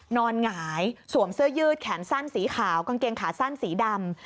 หงายสวมเสื้อยืดแขนสั้นสีขาวกางเกงขาสั้นสีดำ